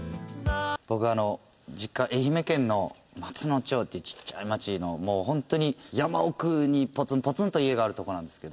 僕あの実家愛媛県の松野町っていうちっちゃい町のもう本当に山奥にポツンポツンと家があるとこなんですけど。